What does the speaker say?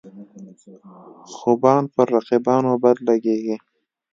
خوبان پر رقیبانو بد لګيږي.